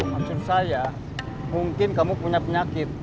maksud saya mungkin kamu punya penyakit